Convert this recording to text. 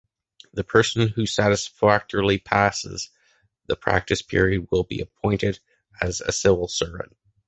The person who satisfactorily passes the practice period will be appointed as a civil servant.